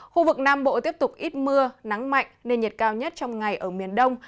khu vực nam bộ tiếp tục ít mưa nắng mạnh nên nhiệt cao nhất trong ngày ở miền đông